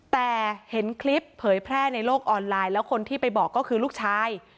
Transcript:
แต่เห็นคลิปเผยแพร่ในโลกออนไลน์แล้วคนที่ไปบอกก็คือลูกชาย